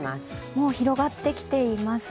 もう広がってきています。